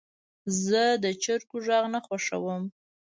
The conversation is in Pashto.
زه د چرګو غږ نه خوښوم.